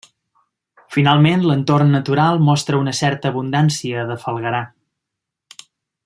Finalment, l'entorn natural mostra una certa abundància de falguerar.